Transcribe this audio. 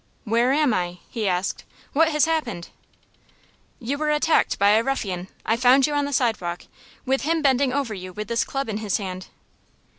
"Where am I?" he asked. "What has happened?" "You were attacked by a ruffian. I found you on the sidewalk, with him bending over you with this club in his hand."